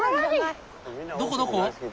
どこどこ？